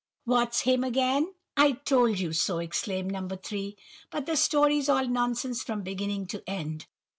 "Watts's hymn again! I told you so!" exclaimed No. 3. "But the story's all nonsense from beginning to end.